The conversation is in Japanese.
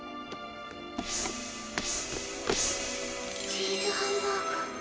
チーズハンバーグ！